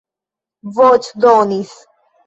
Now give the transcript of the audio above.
voĉdonis